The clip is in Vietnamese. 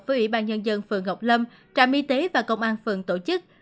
với ủy ban nhân dân phường ngọc lâm trạm y tế và công an phường tổ chức